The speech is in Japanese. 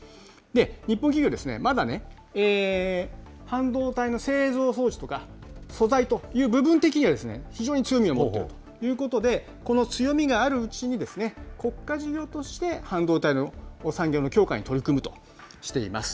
日本企業、まだね、半導体の製造装置とか、素材という部分的には非常に強みを持っているということで、この強みがあるうちに、国家事業として半導体の産業の強化に取り組むとしています。